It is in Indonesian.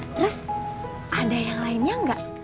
terus ada yang lainnya enggak